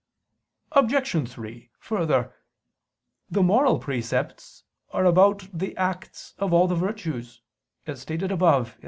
Obj. 3: Further, the moral precepts are about the acts of all the virtues, as stated above (A.